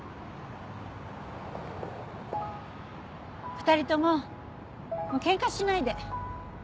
２人とももうケンカしないで。